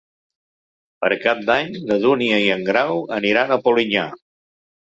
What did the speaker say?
Per Cap d'Any na Dúnia i en Grau aniran a Polinyà.